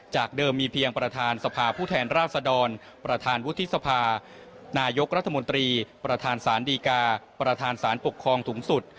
เดิมมีเพียงประธานสภาผู้แทนราชดรประธานวุฒิสภานายกรัฐมนตรีประธานสารดีกาประธานสารปกครองสูงสุด